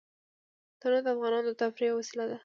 تنوع د افغانانو د تفریح یوه وسیله ده.